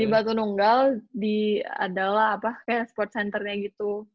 di batu nunggal adalah apa kayak sport centernya gitu